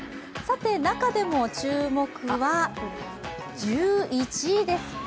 さて、中でも注目は１１位です。